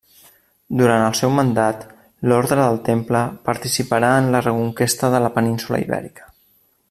Durant el seu mandat, l'Orde del Temple participarà en la Reconquesta de la península Ibèrica.